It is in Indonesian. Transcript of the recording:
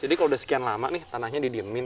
jadi kalau udah sekian lama nih tanahnya didiemin